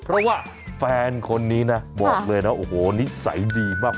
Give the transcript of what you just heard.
เพราะว่าแฟนคนนี้นะบอกเลยนะโอ้โหนิสัยดีมาก